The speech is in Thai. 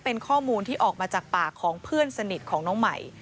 เป็นข้อมูลที่ออกมาจากปากของเพื่อนสนิทของน้องใหม่